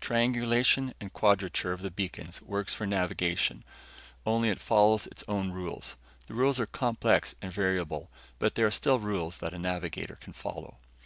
Triangulation and quadrature of the beacons works for navigation only it follows its own rules. The rules are complex and variable, but they are still rules that a navigator can follow.